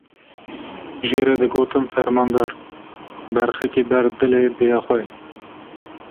Jê re digotin fermandar, berxikê ber dilê dêya xwe.